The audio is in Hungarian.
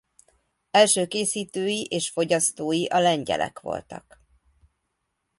Első készítői és fogyasztói a lengyelek voltak.